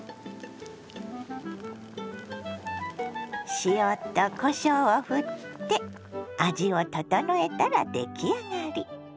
塩とこしょうをふって味を調えたら出来上がり。